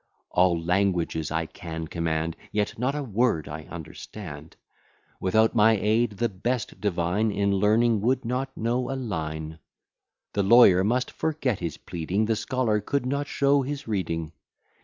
All languages I can command, Yet not a word I understand. Without my aid, the best divine In learning would not know a line: The lawyer must forget his pleading; The scholar could not show his reading.